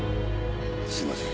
すみません。